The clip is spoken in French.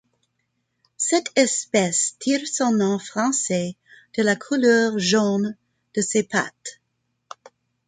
Cette espèce tire son nom français de la couleur jaune de ses pattes.